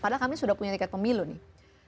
padahal kami sudah punya tiket pemilu nih